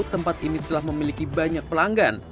tempat ini telah memiliki banyak pelanggan